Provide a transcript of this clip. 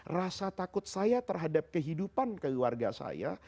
rasa takut saya terhadap kehidupan keluarga saya